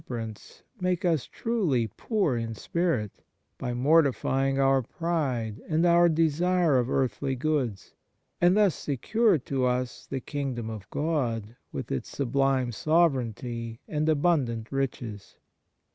104 EFFECT AND FRUITS OF DIVINE GRACE perance make us truly " poor in spirit " by mortifying our pride and our desire of earthly goods, and thus secure to us the kingdom of God, with its sublime sove reignty and abundant riches.